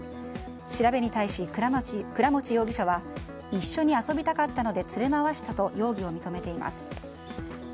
調べに対し、倉持容疑者は一緒に遊びたかったので連れまわしたと容疑を認めています。